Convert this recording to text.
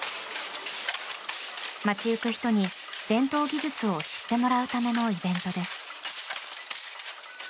街行く人に伝統技術を知ってもらうためのイベントです。